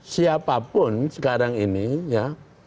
siapapun sekarang ini ya